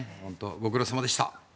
ご苦労様でした。